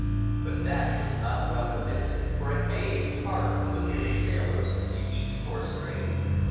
But that was not a welcome incident, for it made it harder for the weary sailors to keep the course straight.